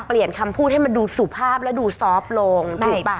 เปลี่ยนคำพูดให้มันดูสุภาพและดูซอฟต์ลงถูกป่ะ